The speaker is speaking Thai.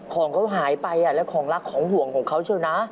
ของเขาหายไปแล้วของรักของห่วงของเขาเชียวนะ